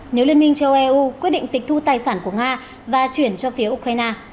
nếu liên minh châu âu quyết định tịch thu tài sản của nga và chuyển cho phía ukraine